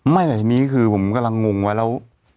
ไม่แต่ทีนี้คือผมกำลังงงไว้แล้ว